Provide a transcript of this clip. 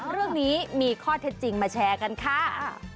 เรื่องนี้มีข้อเท็จจริงมาแชร์กันค่ะ